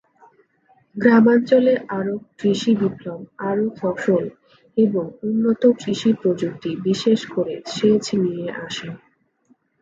গ্রামাঞ্চলে আরব কৃষি বিপ্লব আরও ফসল এবং উন্নত কৃষি প্রযুক্তি, বিশেষ করে সেচ নিয়ে আসে।